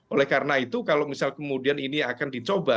oleh karena itu kalau misal kemudian ini akan dicoba